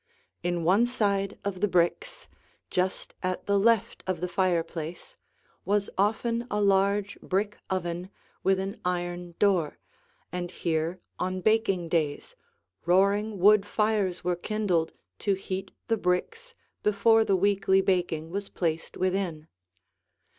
In one side of the bricks, just at the left of the fireplace, was often a large brick oven with an iron door, and here on baking days roaring wood fires were kindled to heat the bricks before the weekly baking was placed within.